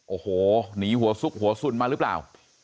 โอ้โหหนีหัวซุกหัวสุนมาหรือเปล่า